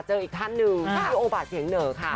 อีกท่านหนึ่งพี่โอบาสเสียงเหนอค่ะ